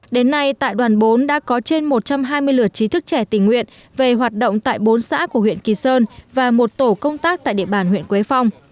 đến nay tại đoàn bốn đã có trên một trăm hai mươi lượt trí thức trẻ tình nguyện về hoạt động tại bốn xã của huyện kỳ sơn và một tổ công tác tại địa bàn huyện quế phong